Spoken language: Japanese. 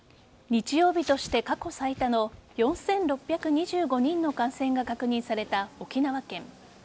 日曜日として過去最多の４６２５人の感染が確認された沖縄県。